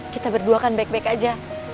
kita berdua kan baik baik aja